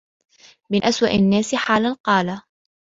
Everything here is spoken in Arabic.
مَنْ أَسْوَأُ النَّاسِ حَالًا ؟ قَالَ